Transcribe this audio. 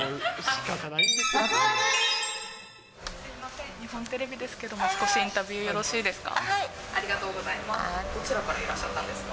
すみません、日本テレビですけども、少しインタビューよろしいですか。